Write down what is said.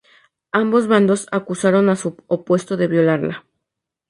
Ambos bandos acusaron a su opuesto de violarla.